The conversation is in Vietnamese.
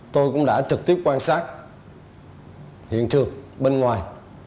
tôi cũng đã trực tiếp quan sát hiện trường bên ngoài